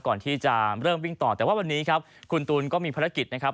ก่อนที่จะเริ่มวิ่งต่อแต่ว่าวันนี้ครับคุณตูนก็มีภารกิจนะครับ